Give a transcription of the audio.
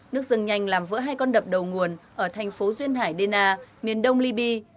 nước dâng nhanh làm vỡ hai con đập đầu nguồn ở thành phố duyên hải dena miền đông libya